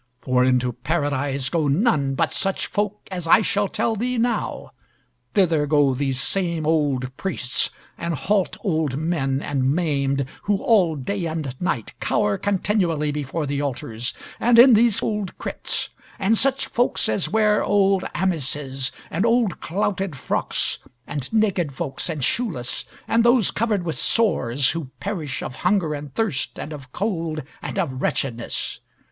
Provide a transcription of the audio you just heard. For into Paradise go none but such folk as I shall tell thee now: Thither go these same old priests, and halt old men and maimed, who all day and night cower continually before the altars, and in these old crypts; and such folks as wear old amices, and old clouted frocks, and naked folks and shoeless, and those covered with sores, who perish of hunger and thirst, and of cold, and of wretchedness.